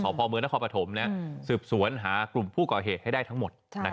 พ่อเมืองนครปฐมสืบสวนหากลุ่มผู้ก่อเหตุให้ได้ทั้งหมด